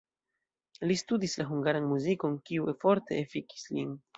Li studis la hungaran muzikon, kiu forte efikis lin.